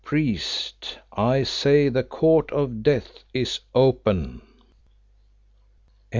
"Priest, I say the Court of Death is open."